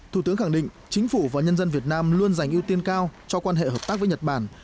thủ tướng khẳng định chính phủ và nhân dân việt nam luôn dành ưu tiên cao cho quan hệ hợp tác với nhật bản